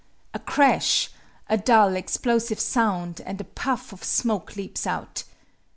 A crash, a dull, explosive sound, and a puff of smoke leaps out.